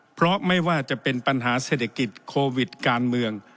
เพราะไม่ว่าจะเป็นปัญหาเศรษฐกิจโควิดการเมือง